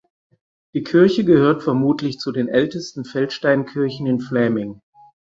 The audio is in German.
Die Kirche gehört vermutlich zu den ältesten Feldsteinkirchen im Fläming.